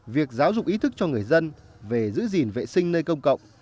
việc giáo dục ý thức cho người dân về giữ gìn vệ sinh nơi công cộng